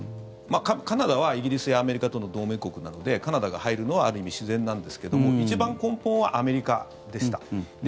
カナダはイギリスやアメリカとの同盟国なのでカナダが入るのはある意味、自然なんですけども一番根本はアメリカでした。